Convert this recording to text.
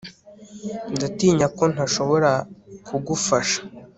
Ndatinya ko ntashobora kugufasha